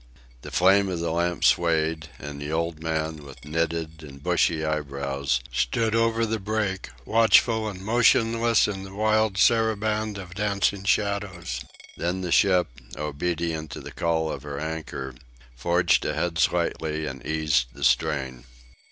The flame of the lamp swayed, and the old man, with knitted and bushy eyebrows, stood over the brake, watchful and motionless in the wild saraband of dancing shadows. Then the ship, obedient to the call of her anchor, forged ahead slightly and eased the strain.